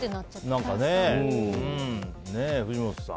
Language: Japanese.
藤本さん。